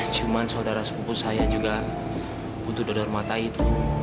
cuma saudara sepupu saya juga butuh dodor mata itu